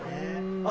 あ！